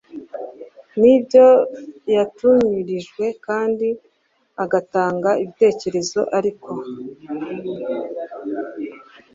n ibyo yatumirijwe kandi agatanga ibitekerezo ariko